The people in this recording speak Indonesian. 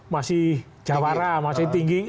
masih jawara masih tinggi